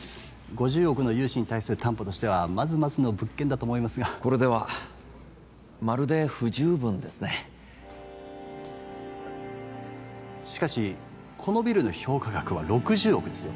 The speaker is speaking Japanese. ５０億の融資に対する担保としてはまずまずの物件だと思いますがこれではまるで不十分ですねしかしこのビルの評価額は６０億ですよ